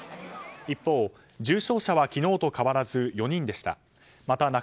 一方、重症者は昨日と変わらず４人でした。